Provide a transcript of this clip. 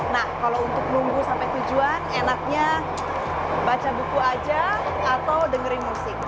nah kalau untuk nunggu sampai tujuan enaknya baca buku aja atau dengerin musik